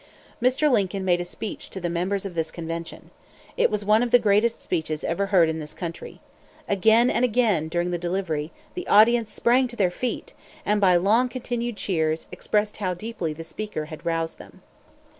Mr. Lincoln made a speech to the members of this convention. It was one of the greatest speeches ever heard in this country. "Again and again, during the delivery, the audience sprang to their feet, and, by long continued cheers, expressed how deeply the speaker had roused them."